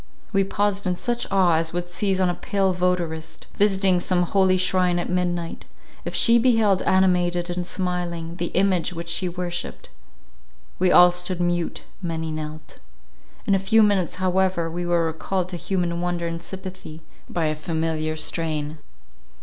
We paused in such awe as would seize on a pale votarist, visiting some holy shrine at midnight; if she beheld animated and smiling, the image which she worshipped. We all stood mute; many knelt. In a few minutes however, we were recalled to human wonder and sympathy by a familiar strain.